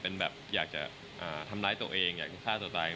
เป็นแบบอยากจะทำร้ายตัวเองอยากฆ่าตัวตาย